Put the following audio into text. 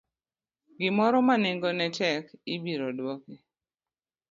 gimoro ma nengone tek ibiro duoki.